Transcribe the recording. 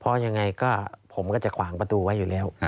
เพราะยังไงก็ผมก็จะขวางประตูไว้อยู่แล้ว